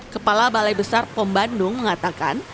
kepala balai besar pom bandung mengatakan